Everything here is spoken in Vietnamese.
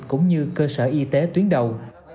cũng như cơ sở y tế tuyến đầu